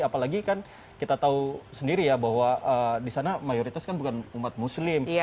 apalagi kan kita tahu sendiri ya bahwa di sana mayoritas kan bukan umat muslim